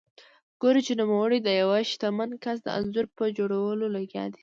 ګوري چې نوموړی د یوه شتمن کس د انځور په جوړولو لګیا دی.